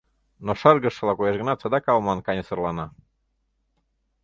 Но шыргыжшыла коеш гынат, садак ала-молан каньысырлана.